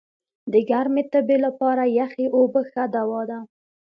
د ګرمي تبي لپاره یخي اوبه ښه دوا ده.